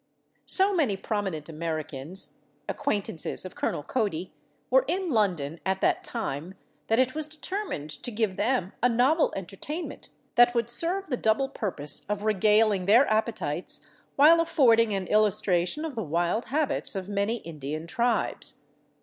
So many prominent Americans, acquaintances of Colonel Cody, were in London at that time that it was determined to give them a novel entertainment that would serve the double purpose of regaling their appetites while affording an illustration of the wild habits of many Indian tribes.